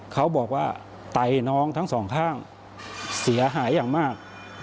เขาบอกว่าไตน้องทั้งสองข้างเสียหายอย่างมาก